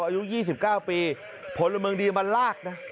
อายุ๒๙ปีผลเมืองดีมาลากนะ